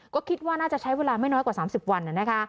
ก็คิดว่าน่าจะใช้เวลาไม่น้อยกว่า๓๐วันนะคะ